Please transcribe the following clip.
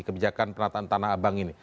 kebijakan penataan tanah abang ini